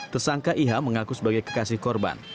tersangka iha mengaku sebagai kekasih korban